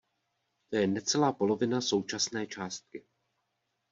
To je necelá polovina současné částky.